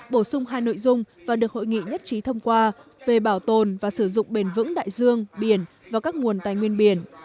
bổ sung hai nội dung và được hội nghị nhất trí thông qua về bảo tồn và sử dụng bền vững đại dương biển và các nguồn tài nguyên biển